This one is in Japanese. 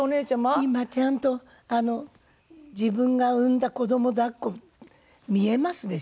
今ちゃんとあの自分が産んだ子ども抱っこ見えますでしょ？